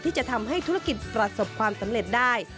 ที่จะทำให้ธุรกิจประสบความสำเร็จได้